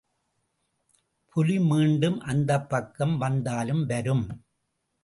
புலி மீண்டும் அந்தப்பக்கம் வந்தாலும் வரும்.